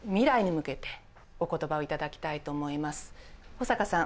保坂さん